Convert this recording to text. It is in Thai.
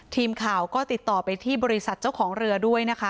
ทีมข่าวก็ติดต่อไปที่บริษัทเจ้าของเรือด้วยนะคะ